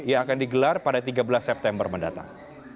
yang akan digelar pada tiga belas september mendatang